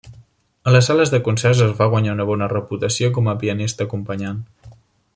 A les sales de concerts es va guanyar una bona reputació com a pianista acompanyant.